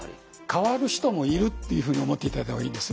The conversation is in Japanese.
変わる人もいるっていうふうに思って頂いたほうがいいです。